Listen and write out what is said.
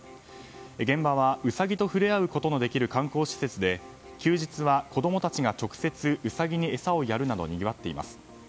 現場は、ウサギと触れ合うことのできる観光施設で休日は子供たちが直接ウサギに餌をやるなどにぎわっています。